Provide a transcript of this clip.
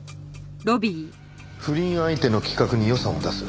不倫相手の企画に予算を出す。